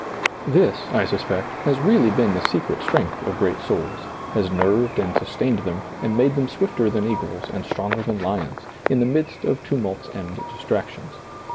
This, I suspect, has really been the secret ^lailizccbvGoOgle PAUL ABOARD loi strength of great souls, has nerved and sustained them and made them swifter than eagles and stronger than lions, in the midst of tumults and distractions.